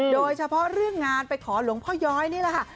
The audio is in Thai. โดยเฉพาะเรื่องงานไปขอหลวงพ่อย้อยนี่แหละค่ะ